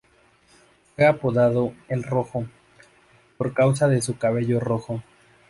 Fue apodado "el Rojo" por causa de su cabello rojo.